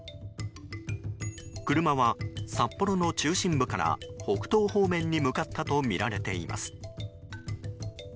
車は札幌の中心部から北東方面に向かったとみられています。